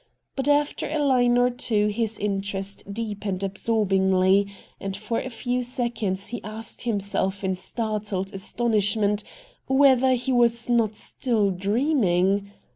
But after a line or two his interest deepened absorb ingly, and for a few seconds he asked him self in startled astonishment whether he was not still dreaming.